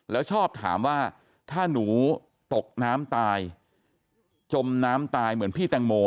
แล้วชอบถามว่าถ้าหนูตกน้ำตายจมน้ำตายเหมือนพี่แตงโม